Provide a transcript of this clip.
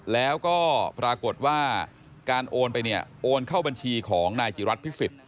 แล้วก็ปรากฏว่าการโอนไปโอนเข้าบัญชีของนายจิรัตน์พฤศจิต